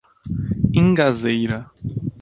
Ingazeira